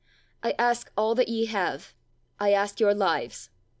I ask all that ye have, I ask your lives.